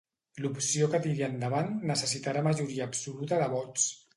L'opció que tiri endavant necessitarà majoria absoluta de vots.